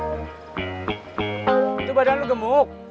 itu badan lo gemuk